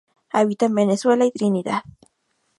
Habita en Venezuela y Trinidad.